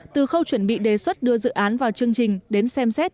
từ khâu chuẩn bị đề xuất đưa dự án vào chương trình đến xem xét